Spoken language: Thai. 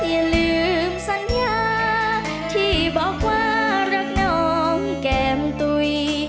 อย่าลืมสัญญาที่บอกว่ารักน้องแก้มตุ๋ย